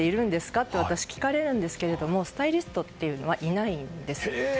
って私、聞かれるんですけどもスタイリストはいないんです。